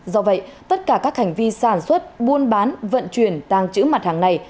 do vậy tất cả các hành vi sản xuất buôn bán vận chuyển tàng trữ mặt hàng này